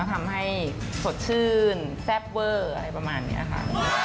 ทำให้สดชื่นแซ่บเวอร์อะไรประมาณนี้ค่ะ